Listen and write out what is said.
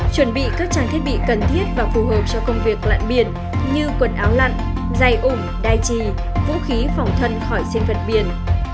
chuẩn bị các trang thiết bị cần thiết và phù hợp cho công việc lặn biển như quần áo lặn dày ủ đai trì vũ khí phòng thân khỏi sinh vật biển